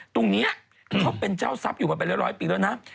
ตรงนี้เขาเป็นเจ้าทรัพย์อยู่มาเป็นร้อยปีแล้วนะ